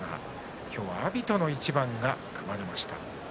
今日は阿炎との対戦が組まれました。